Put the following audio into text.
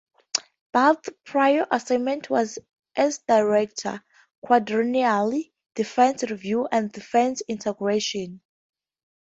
Bath's prior assignment was as Director, Quadrennial Defense Review and Defense Integration.